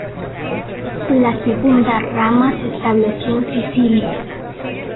La segunda rama se estableció en Sicilia.